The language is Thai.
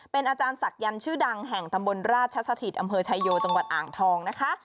เป็นอาจารย์ศักยันต์ชื่อดังแห่งตำบลราชสถิตอำเภอชายโยจังหวัดอ่างทองนะคะ